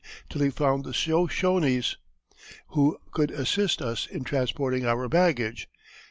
till he found the Shoshones, ... who could assist us in transporting our baggage."